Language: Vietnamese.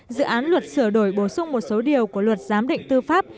dự án luật sửa đổi bổ sung một số điều của luật giám định tư pháp